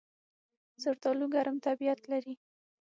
زردالو ګرم طبیعت لري.